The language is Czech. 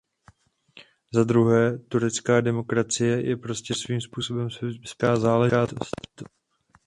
Zadruhé turecká demokracie je prostě svým způsobem specifická záležitost.